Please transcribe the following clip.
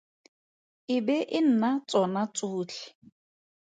E be e nna tsona tsotlhe.